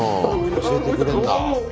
教えてくれんだ。